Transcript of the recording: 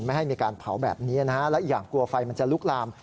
ไม่ให้มีการเผาแบบนี้นะฮะและอีกอย่างกลัวไฟมันจะลุกลาม